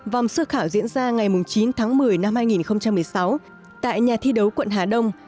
vòng sơ khảo diễn ra ngày chín tháng một mươi năm hai nghìn một mươi sáu tại nhà thi đấu quận hà đông